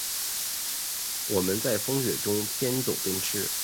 我们在风雪中边走边吃